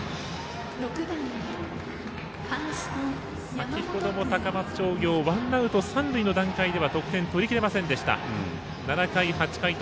先ほども高松商業ワンアウト、三塁の段階では得点、取りきれませんでした。